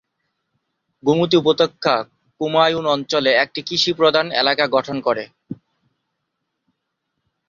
গোমতী উপত্যকা কুমায়ুন অঞ্চলে একটি কৃষি প্রধান এলাকা গঠন করে।